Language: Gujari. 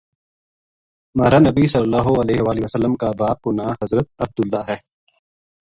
مہارانبی ﷺ کا باپ کو ناں حضرت عبداللہ ہے۔